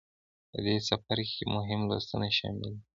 په دې څپرکې کې مهم لوستونه شامل دي.